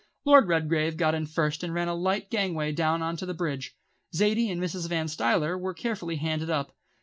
Lord Redgrave got in first and ran a light gangway down on to the bridge. Zaidie and Mrs. Van Stuyler were carefully handed up.